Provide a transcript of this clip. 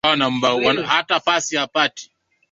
asante sana na sina zaidi msikilizaji jumatano hii jioni hii